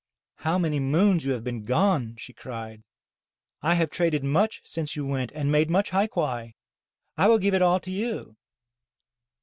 '*How many moons you have been gone!'* she cried. "I have traded much since you went and made much hai quai. I will give it all to you.'